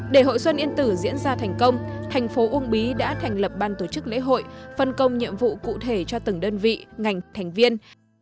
để hội xuân yên tử diễn ra thành công thành phố uông bí đã thành lập ban tổ chức lễ hội phân công nhiệm vụ cụ thể cho từng đơn vị ngành thành viên